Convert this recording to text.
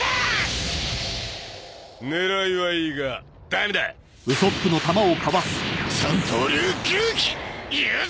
狙いはいいがダメだ三刀流牛鬼勇爪！